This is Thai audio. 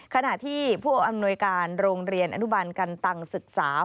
ขณะที่ผู้อำนวยการโรงเรียนอนุบันกันตังศึกษา